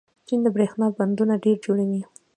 چین د برښنا بندونه ډېر جوړوي.